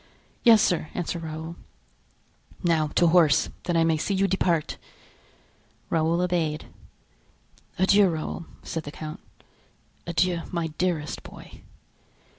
"Yes, sir," answered Raoul. "Now to horse, that I may see you depart!" Raoul obeyed. "Adieu, Raoul," said the count; "adieu, my dearest boy!"